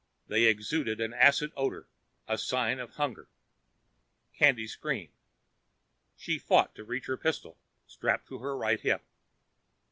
They exuded an acid odor, a sign of hunger. Candy screamed. She fought to reach her pistol, strapped to her right hip.